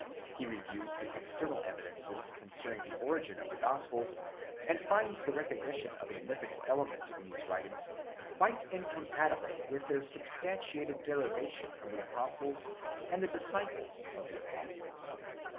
He reviews the external evidences concerning the origin of the Gospels, and finds the recognition of a mythical element in these writings quite incom patible with their substantiated derivation from the Apostles, and the disciples of the Apostles.